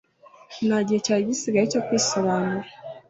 Nta gihe cyari gisigaye cyo kwisobanura.